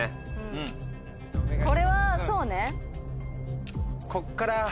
これはそうね。